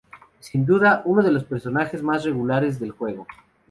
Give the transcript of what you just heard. Sin duda, es uno de los personajes más regulares del juego.